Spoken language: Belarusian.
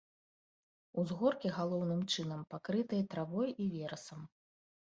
Узгоркі галоўным чынам пакрытыя травой і верасам.